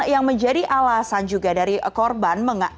yang menjadi alasan juga dari korban